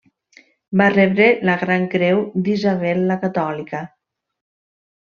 Va rebre la Gran Creu d'Isabel la Catòlica.